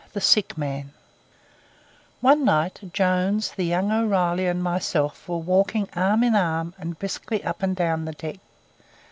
THE SICK MAN One night Jones, the young O'Reilly, and myself were walking arm in arm and briskly up and down the deck.